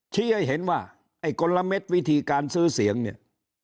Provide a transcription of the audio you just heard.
ให้เห็นว่าไอ้กลมวิธีการซื้อเสียงเนี่ย